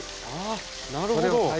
あなるほど。